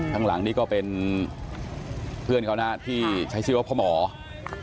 ข้างหลังนี่ก็เป็นเพื่อนเขานะที่ใช้ชื่อว่าพ่อหมอคุณจอลวินยูนะครับ